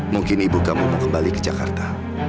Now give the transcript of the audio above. mungkin ibu kamu mau kembali ke jakarta